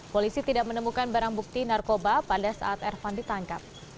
polisi tidak menemukan barang bukti narkoba pada saat ervan ditangkap